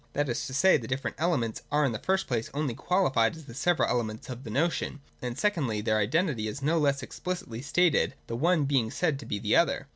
That is to say, the different elements are in the first place only qualified as the several elements of the notion, and, secondly, their identity is no less explicitly stated, the one being said to be the other.